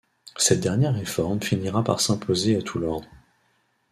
Cette dernière réforme finira par s'imposer à tout l'ordre.